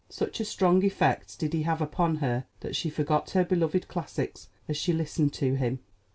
Such a strong effect did he have upon her that she forgot her beloved classics as she listened to him.